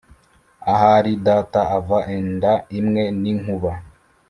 ahari data ava inda imwe n’inkuba